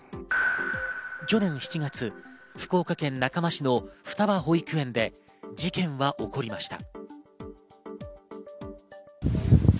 去年７月、福岡県中間市の双葉保育園で事件は起きました。